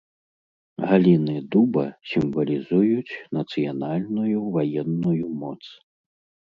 Галіны дуба сімвалізуюць нацыянальную ваенную моц.